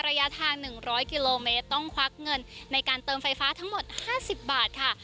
ระยะทาง๑๐๐กิโลเมตรต้องควักเงินในการเติมไฟฟ้าทั้งหมด๕๐บาทค่ะ